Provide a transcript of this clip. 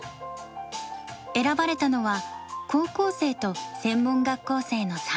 選ばれたのは高校生と専門学校生の３人。